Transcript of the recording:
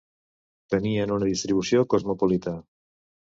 Tenien una distribució cosmopolita.